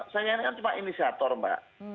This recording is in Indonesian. saya ini kan cuma inisiator mbak